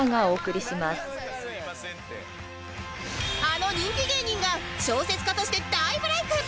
あの人気芸人が小説家として大ブレーク